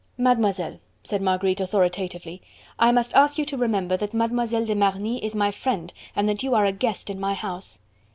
"Mademoiselle," said Marguerite authoritatively, "I must ask you to remember that Mlle. de Marny is my friend and that you are a guest in my house."